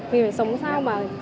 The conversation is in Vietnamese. mình phải sống sao mà